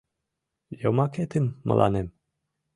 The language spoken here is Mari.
Йомакетым мыланем